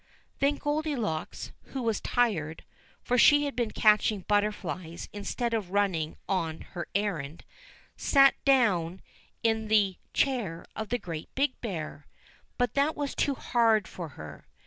Then Goldilocks, who was tired, for she had been catching butterflies instead of running on her errand, sate down in the THE STORY OF THE THREE BEARS 21 chair of the Great Big Bear, but that was too hard for her.